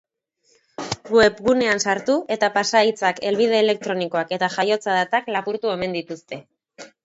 Webgunean sartu eta pasahitzak, helbide elektronikoak eta jaiotza datak lapurtu omen dituzte.